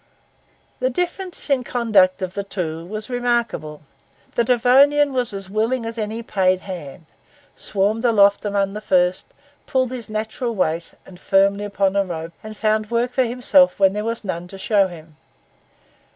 The difference in the conduct of the two was remarkable. The Devonian was as willing as any paid hand, swarmed aloft among the first, pulled his natural weight and firmly upon a rope, and found work for himself when there was none to show him.